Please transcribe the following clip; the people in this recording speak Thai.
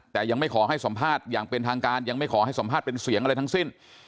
แต่ยังไม่ขอให้สัมภาษณ์อย่างเป็นทางการยังไม่ขอให้สัมภาษณ์เป็นเสียงอะไรทั้งสิ้น